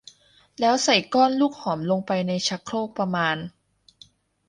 แล้วใส่ก้อนลูกหอมลงไปในชักโครกประมาณ